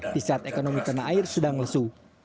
di saat ekonomi tanah air sedang lesu